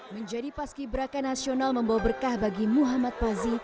menjadi paski berakan nasional membawa berkah bagi muhammad pazi